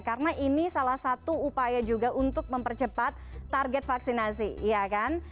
karena ini salah satu upaya juga untuk mempercepat target vaksinasi iya kan